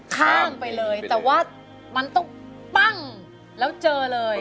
ข้ามไปเลยแต่ว่ามันต้องปั้งแล้วเจอเลย